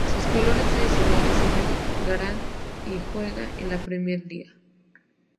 Sus colores tradicionales son el granate y juega en la Premijer Liga.